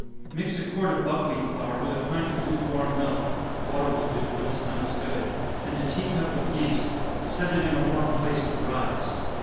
_ Mix a quart of buckwheat flour with a pint of lukewarm milk, (water will do, but is not as good,) and a tea cup of yeast set it in a warm place to rise.